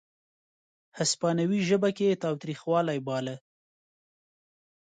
هسپانوي ژبه کې یې تاوتریخوالی باله.